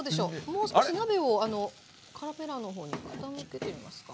もう少し鍋をカメラの方に傾けてみますか？